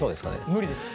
無理です。